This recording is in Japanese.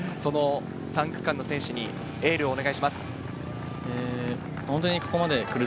３区間の選手にエールをお願いします。